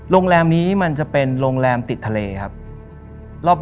โรงแรมนี้มันจะเป็นโรงแรมติดทะเลครับ